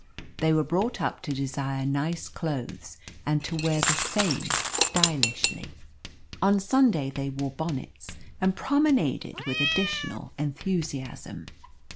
They were brought up to desire nice clothes, and to wear the same stylishly. On Sunday they wore bonnets, and promenaded with additional enthusiasm.